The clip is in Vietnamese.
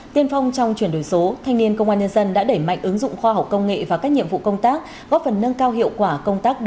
tiên phong trong chuyển đổi số thanh niên công an nhân dân đã đẩy mạnh ứng dụng khoa học công nghệ và các nhiệm vụ công tác